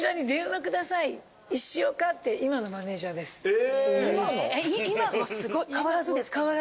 え！